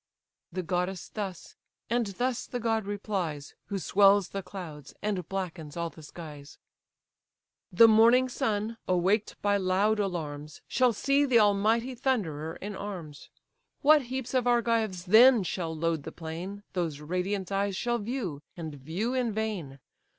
The goddess thus; and thus the god replies, Who swells the clouds, and blackens all the skies: "The morning sun, awaked by loud alarms, Shall see the almighty Thunderer in arms. What heaps of Argives then shall load the plain, Those radiant eyes shall view, and view in vain.